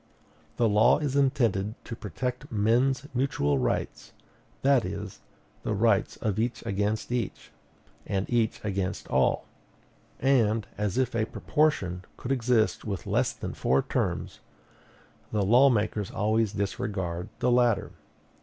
The law is intended to protect men's mutual rights, that is, the rights of each against each, and each against all; and, as if a proportion could exist with less than four terms, the law makers always disregard the latter.